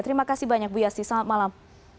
terima kasih banyak bu yasti selamat malam